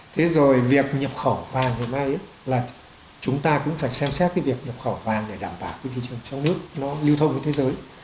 thế rồi việc nhập khẩu vàng hiện nay là chúng ta cũng phải xem xét cái việc nhập khẩu vàng để đảm bảo cái thị trường trong nước nó lưu thông với thế giới